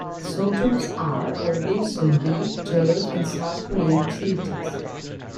The soldiers are, or will soon be, jailed in South Korean facilities.